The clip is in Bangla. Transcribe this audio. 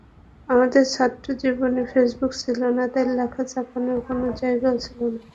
আমাদের ছাত্রজীবনে ফেসবুক ছিল না, তাই লেখা ছাপানোর কোনো জায়গাও ছিল না।